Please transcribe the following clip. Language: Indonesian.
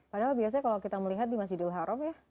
padahal biasanya kalau kita melihat di masjidil haram ya